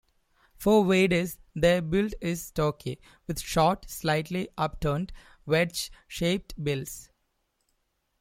For waders their build is stocky, with short, slightly upturned, wedge shaped bills.